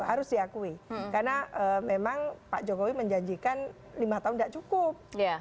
harus diakui karena memang pak jokowi menjanjikan lima tahun tidak cukup